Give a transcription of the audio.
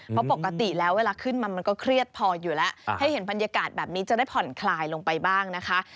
เพราะปกติแล้วเวลาขึ้นมามันก็เครียดพออยู่แล้วให้เห็นบรรยากาศแบบนี้จะได้ผ่อนคลายลงไปบ้างนะคะ